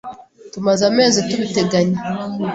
Tumaze amezi tubiteganya.